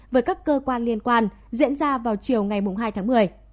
với các cơ quan liên quan diễn ra vào chiều ngày hai tháng một mươi